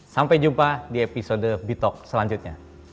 sampai jumpa di episode bitok selanjutnya